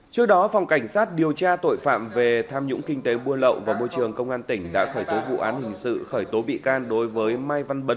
trước đó phòng cảnh sát điều tra tội phạm về tham nhũng kinh tế buôn lậu và môi trường công an tỉnh đã khởi tố vụ án hình sự khởi tố bị can đối với mai văn bấn